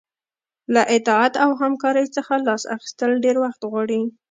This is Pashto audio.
له اطاعت او همکارۍ څخه لاس اخیستل ډیر وخت غواړي.